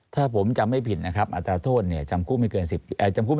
ถ้าผมจำไม่ผิดนะครับอัตราโทษเนี่ยจำคุกไม่เกิน๑๐ปี